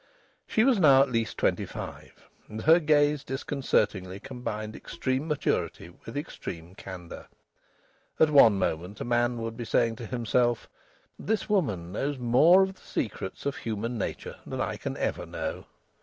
She was now at least twenty five, and her gaze disconcertingly combined extreme maturity with extreme candour. At one moment a man would be saying to himself: "This woman knows more of the secrets of human nature than I can ever know."